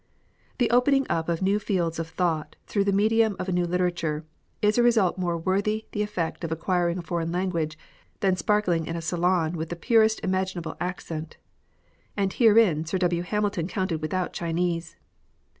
The opening up of new fields of thought through the medium of a new literature, is a result more worthy the effort of acquiring a foreign language than spark ling in a salon with the purest imaginable accent; and herein Sir W. Hamilton counted without Chinese.